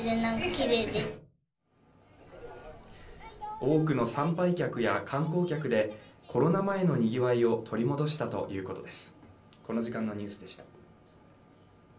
多くの参拝客や観光客でコロナ前のにぎわいを取り戻したということです。